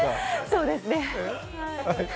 そうですね。